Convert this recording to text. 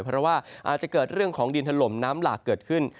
เพราะว่าอาจจะเกิดเรื่องของดินถล่มน้ำหลากเกิดขึ้น